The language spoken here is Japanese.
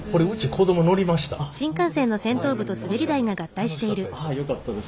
楽しかったです。